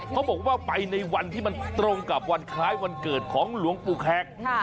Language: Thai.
เขาบอกว่าไปในวันที่มันตรงกับวันคล้ายวันเกิดของหลวงปู่แขก